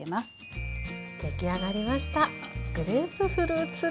出来上がりました。